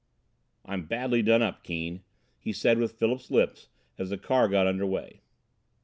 "I'm badly done up, Keane," he said with Philip's lips as the car got under way.